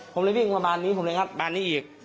ผมเลยวิ่งมาบานนี้ผมเลยงัดบานนี้อีก